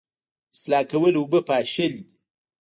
اصلاح کول اوبه پاشل دي